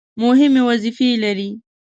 مهمې وظیفې لري.